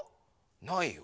ないよ。